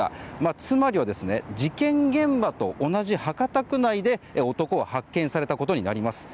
つまりは、事件現場と同じ博多区内で男は発見されたことになります。